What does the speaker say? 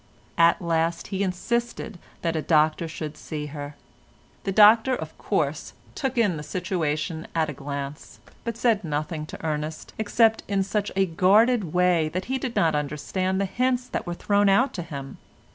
At last he insisted that a doctor should see her. The doctor of course took in the situation at a glance, but said nothing to Ernest except in such a guarded way that he did not understand the hints that were thrown out to him.